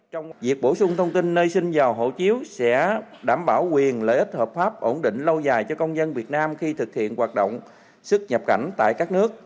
trong việc bổ sung thông tin nơi sinh giờ hộ chiếu sẽ đảm bảo quyền lợi ích hợp pháp ổn định lâu dài cho công dân việt nam khi thực hiện hoạt động xuất nhập cảnh tại các nước